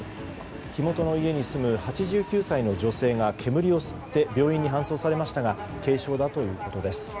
火元の家に住む８９歳の女性が煙を吸って病院に搬送されましたが軽傷だということです。